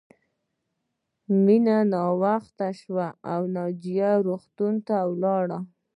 مینه ناوخته شوه او ناجیه روغتون ته لاړه